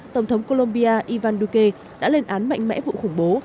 tổng thống colombia ivan duque đã lên án mạnh mẽ vụ khủng bố